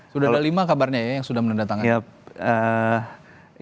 sudah ada lima kabarnya ya yang sudah menandatangani